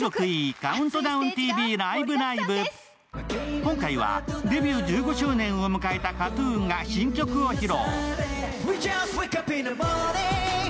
今回はデビュー１５周年を迎えたＫＡＴ−ＴＵＮが新曲を披露。